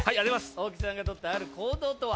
大木さんがとったある行動とは？